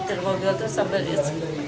terus ada suara bungsu